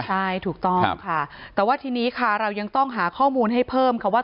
ใช่ถูกต้องค่ะแต่ว่าทีนี้ค่ะเรายังต้องหาข้อมูลให้เพิ่มค่ะว่า